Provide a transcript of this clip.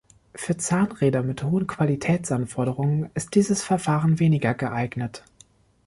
Für Zahnräder mit hohen Qualitätsanforderungen ist dieses Verfahren weniger geeignet.